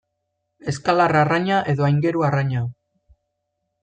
Eskalar arraina edo aingeru arraina.